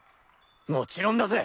もちろんだぜ！